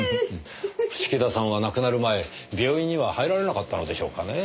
伏木田さんは亡くなる前病院には入られなかったのでしょうかねぇ。